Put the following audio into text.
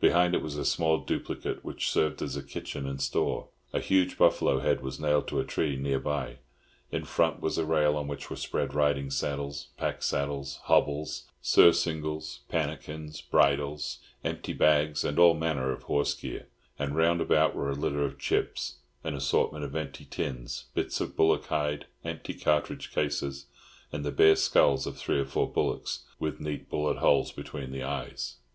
Behind it was a small duplicate, which served as kitchen and store. A huge buffalo head was nailed to a tree near by. In front was a rail on which were spread riding saddles, pack saddles, hobbles, surcingles, pannikins, bridles, empty bags, and all manner of horse gear; and roundabout were a litter of chips, an assortment of empty tins, bits of bullock hide, empty cartridge cases, and the bare skulls of three or four bullocks, with neat bullet holes between the eyes.